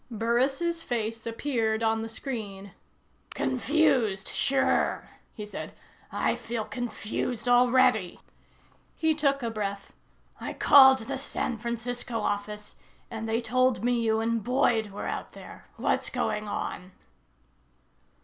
Burris' face appeared on the screen. "Confused, sure," he said. "I feel confused already." He took a breath. "I called the San Francisco office, and they told me you and Boyd were out there. What's going on?"